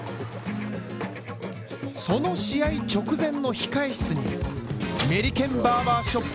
その試合直前の控え室にメリケンバーバーショップ